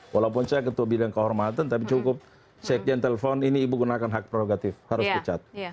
walaupun saya ketua bidang kehormatan tapi cukup sekjen telepon ini ibu gunakan hak prerogatif harus pecat